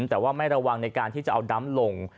แต่ว่าไม่ระวังในการที่จะเอาดำลง